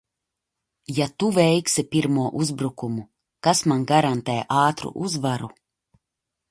Ja tu veiksi pirmo uzbrukumu, kas man garantē ātru uzvaru?